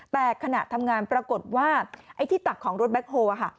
แต่ขณะทำงานปรากฏว่าไอ้ที่ตักของรถแบ็คโฮล